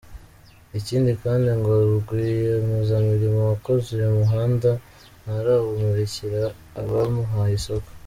Ikindi kandi ngo rwiyemezamirimo wakoze uyu muhanda ntarawumurikira abamuhaye isoko.